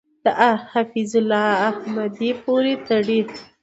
د حفیظ الله احمدی پورې تړي .